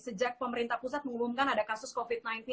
sejak pemerintah pusat mengumumkan ada kasus covid sembilan belas